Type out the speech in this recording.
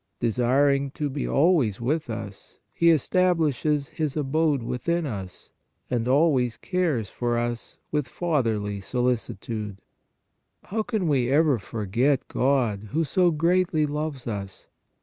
Desiring to be always with us, He es tablishes His abode within us, and always cares for us with fatherly solicitude. How can we ever for get God who so greatly loves us?